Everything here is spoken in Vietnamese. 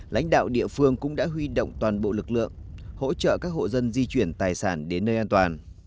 lãnh đạo địa phương cũng đã huy động toàn bộ lực lượng hỗ trợ các hộ dân di chuyển tài sản đến nơi an toàn